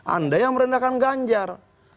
anda yang merendahkan ganjar